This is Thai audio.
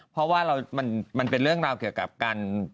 เพราะว่ามันเป็นเรื่องราวเกี่ยวกับการ